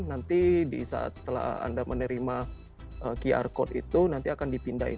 nanti di saat setelah anda menerima qr code itu nanti akan dipindahin